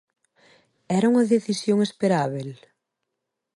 Era unha decisión esperábel?